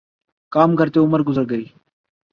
کام کرتے عمر گزر گئی